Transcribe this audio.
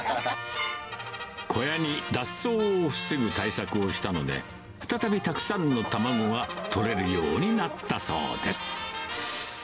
小屋に脱走を防ぐ対策をしたので、再びたくさんの卵が採れるようになったそうです。